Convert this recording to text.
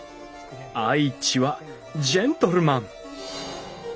愛知はジェントルマン。